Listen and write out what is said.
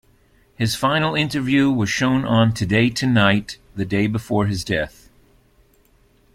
His final interview was shown on "Today Tonight" the day before his death.